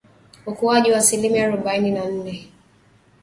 Ukuaji wa asilimia arubaini na nne